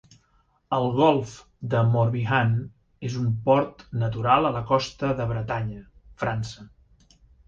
El Golf de Morbihan és un port natural a la costa de Bretanya, França.